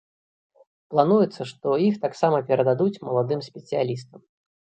Плануецца, што іх таксама перададуць маладым спецыялістам.